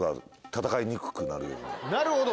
なるほど。